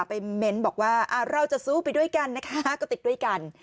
เม้นบอกว่าเราจะสู้ไปด้วยกันนะคะก็ติดด้วยกัน